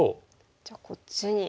じゃあこっちに。